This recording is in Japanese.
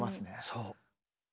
そう。